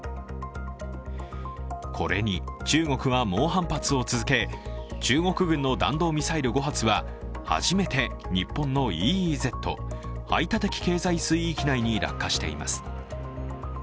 これに中国は猛反発を続け中国軍の弾道ミサイル５発は初めて日本のＥＥＺ＝排他的経済水域内に落下しています。